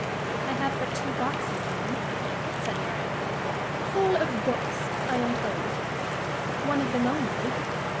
"I have but two boxes, ma'am," said Mary. "Full of books, I am told." "One of them only."